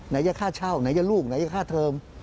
ไหนจะค่าเช่าไหนจะลูกไหนจะค่าเทอม